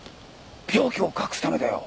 病気を隠すためだよ。